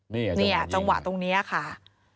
เนี่ยจังหวะตรงนี้ค่ะ